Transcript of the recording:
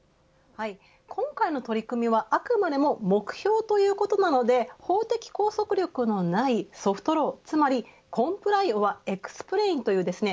今回の取り組みはあくまでも目標ということなので法的拘束力のないソフトローつまりコンプライオアエクスプレインというですね。